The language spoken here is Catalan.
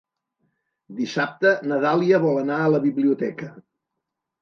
Dissabte na Dàlia vol anar a la biblioteca.